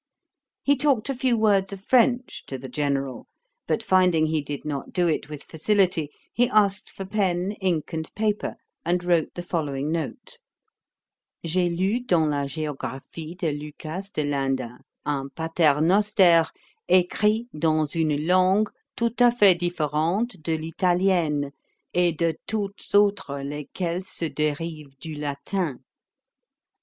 "' He talked a few words of French to the General; but finding he did not do it with facility, he asked for pen, ink, and paper, and wrote the following note: 'J'ai lu dans la geographie de Lucas de Linda un Pater noster écrit dans une langue tout Ã fait differente de l'Italienne, et de toutes autres lesquelles se derivent du Latin.